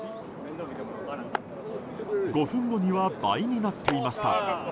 ５分後には倍になっていました。